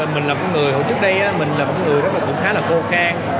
mình là một người hồi trước đây mình là một người cũng khá là khô khang